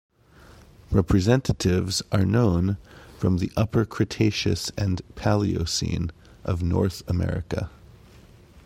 Representatives are known from the Upper Cretaceous and Paleocene of North America.